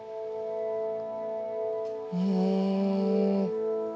へえ。